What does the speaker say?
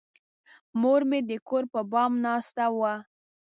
مور مې د کور پر بام ناسته وه.